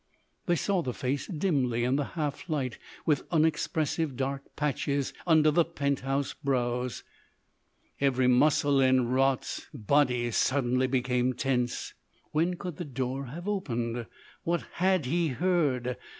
They saw the face dimly in the half light, with unexpressive dark patches under the penthouse brows. Every muscle in Raut's body suddenly became tense. When could the door have opened? What had he heard?